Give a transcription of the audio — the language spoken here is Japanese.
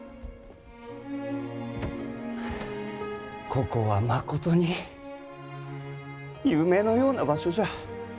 ここは、まことに夢のような場所じゃ。